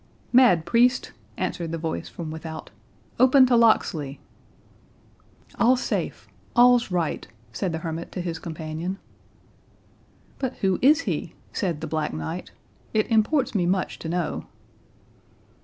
"Mad priest," answered the voice from without, "open to Locksley!" "All's safe—all's right," said the hermit to his companion. "But who is he?" said the Black Knight; "it imports me much to know."